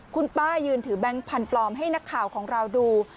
คุณป้ายืนถือแบงค์พันธุ์ปลอมให้นักข่าวของเราดู